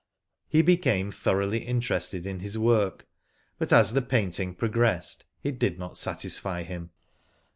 He became th3roughly interested in his work, but as the painting progressed, it did not satisfy him.